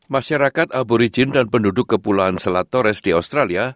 masyarakat aborigin dan penduduk kepulauan selat torres di australia